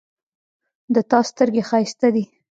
د تا سترګې ښایسته دي